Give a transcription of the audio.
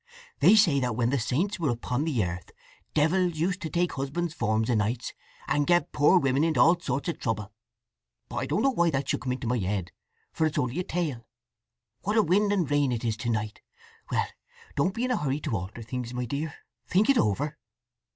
"They say that when the saints were upon the earth devils used to take husbands' forms o' nights, and get poor women into all sorts of trouble. But I don't know why that should come into my head, for it is only a tale… What a wind and rain it is to night! Well—don't be in a hurry to alter things, my dear. Think it over."